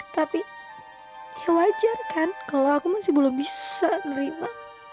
tapi wajar kan kalau aku masih belum bisa menerima